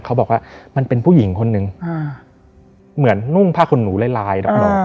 เขาบอกว่ามันเป็นผู้หญิงคนหนึ่งเหมือนนุ่งผ้าขนหนูลายลายดอก